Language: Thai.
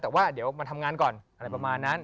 แต่ว่าเดี๋ยวมาทำงานก่อนอะไรประมาณนั้น